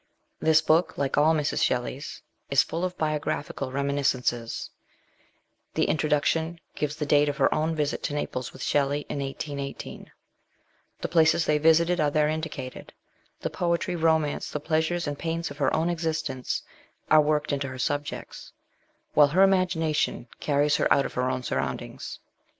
This book, like all Mrs. Shelley's, is full of biographi cal reminiscences ; the introduction gives the date of her own visit to Naples with Shelley, in 1818; the places they visited are there indicated ; the poetry, romance, the pleasures and pains of her own existence, are worked into her subjects ; while her imagination carries her out of her own surroundings.